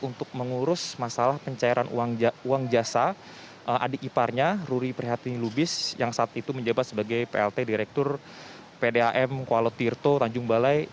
untuk mengurus masalah pencairan uang jasa adik iparnya ruri prihatin lubis yang saat itu menjabat sebagai plt direktur pdam kuala tirto tanjung balai